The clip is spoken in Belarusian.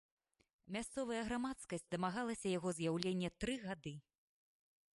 Мясцовая грамадскасць дамагалася яго з'яўлення тры гады.